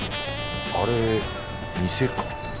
あれ店か。